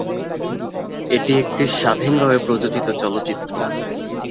এটি একটি স্বাধীনভাবে প্রযোজিত চলচ্চিত্র।